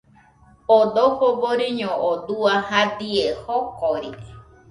Oo dojo boriño oo dua jadie jokori